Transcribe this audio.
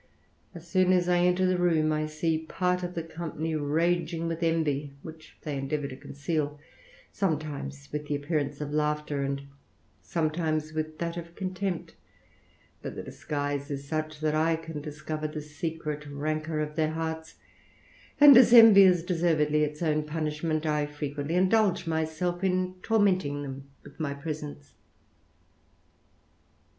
As soon as I enter the room I see part of the company raging with envy, which ^ey endeavour to conceal, sometimes with the appearance ^ laughter, and sometimes with that of contempt ; but the ^guise is such that I can discover the secret rancour of ^eir hearts, and as envy is deservedly its own punishment, I frequently indulge myself in tormenting them with my presence.